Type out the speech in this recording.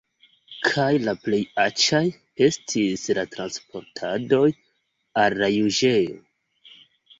Kaj la plej aĉaj estis la transportadoj al la juĝejo.